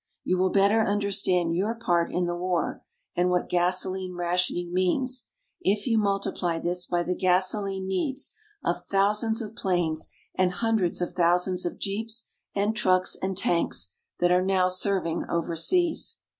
You will better understand your part in the war and what gasoline rationing means if you multiply this by the gasoline needs of thousands of planes and hundreds of thousands of jeeps, and trucks and tanks that are now serving overseas.